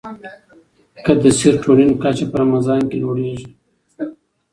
د سیرټونین کچه په رمضان کې لوړېږي.